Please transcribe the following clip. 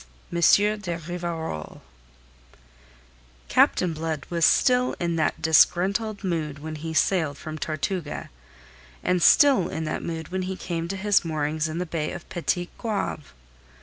M. de RIVAROL Captain Blood was still in that disgruntled mood when he sailed from Tortuga, and still in that mood when he came to his moorings in the bay of Petit Goave.